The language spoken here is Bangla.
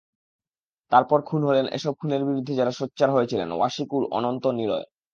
তারপর খুন হলেন এসব খুনের বিরুদ্ধে যাঁরা সোচ্চার হয়েছিলেন—ওয়াশিকুর, অনন্ত, নিলয়।